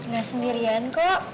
gak sendirian kok